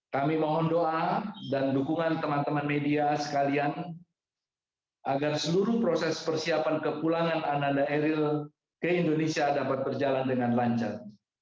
kami mohon doa dan dukungan teman teman media sekalian agar seluruh proses persiapan kepulangan ananda eril ke indonesia dapat berjalan dengan lancar